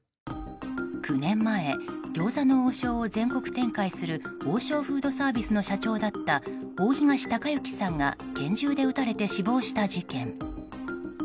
９年前、餃子の王将を全国展開する王将フードサービスの社長だった大東隆行さんが拳銃で撃たれて死亡した事件。